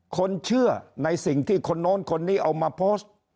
คนเชื่อในสิ่งที่คนโน้นคนนี้เอามาโพสต์